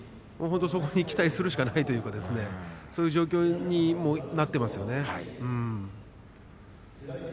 そこに期待するしかないというかそういう状況になっていますよね。